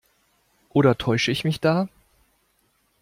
Oder täusche ich mich da?